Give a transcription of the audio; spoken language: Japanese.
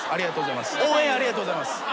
ありがとうございます。